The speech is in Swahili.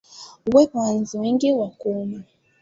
Uwepo wa nzi wengi wa kuuma